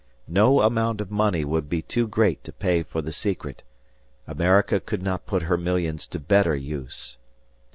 No amount of money would be too great to pay for the secret; America could not put her millions to better use.